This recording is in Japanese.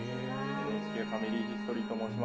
「ファミリーヒストリー」と申します。